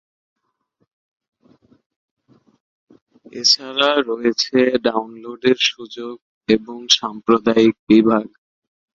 এছাড়া রয়েছে ডাউনলোডের সুযোগ এবং সাম্প্রদায়িক বিভাগ।